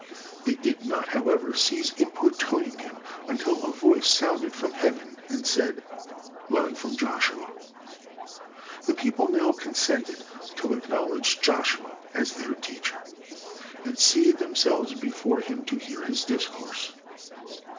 They did not, however, cease importuning him, until a voice sounded from heaven and said, "Learn from Joshua." The people now consented to acknowledge Joshua as their teacher, and seated themselves before him to hear his discourse.